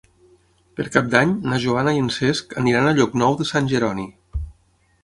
Per Cap d'Any na Joana i en Cesc aniran a Llocnou de Sant Jeroni.